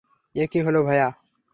এ কী হলো, ভাইয়া?